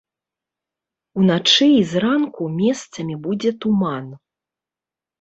Уначы і зранку месцамі будзе туман.